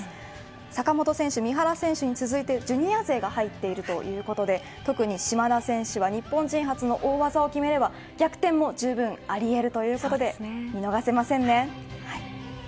坂本選手、三原選手に続いてジュニア勢が入っているということで特に島田選手は日本人初の大技を決めれば逆転もじゅうぶんあり得るということで見逃せませんね。